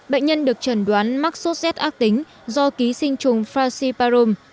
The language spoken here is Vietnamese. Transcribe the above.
bệnh nhân được trần đoán mắc sốt z ác tính do ký sinh trùng frasiparum